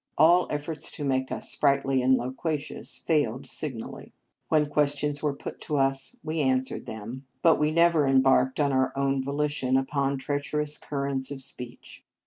All efforts to make us sprightly and loquacious failed signally. When questions were put to us, we answered them; but we 74 Marriage Vows never embarked of our own volition upon treacherous currents of speech.